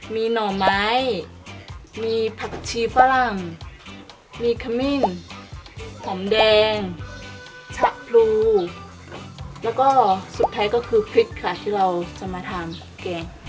มีหน่อไม้มีผักชีฝรั่งมีขมิ้นหอมแดงชะพลูแล้วก็สุดท้ายก็คือพริกค่ะที่เราจะมาทานแกง